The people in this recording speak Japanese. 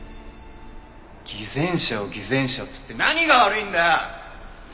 偽善者を「偽善者」っつって何が悪いんだよ！